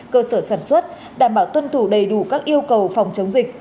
cơ sở sản xuất đảm bảo tuân thủ đầy đủ các yêu cầu phòng chống dịch